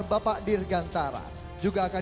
bapak dirgantara juga akan